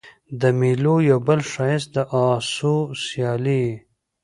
د مېلو یو بل ښایست د آسو سیالي يي.